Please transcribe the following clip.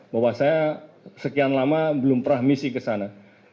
bahwa saya sekian lama belum pernah misi kesana